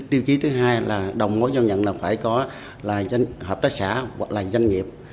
tiêu chí thứ hai là đồng mối doanh nhận là phải có hợp tác xã hoặc là doanh nghiệp